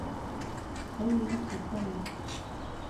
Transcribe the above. Эйе, күптәнән.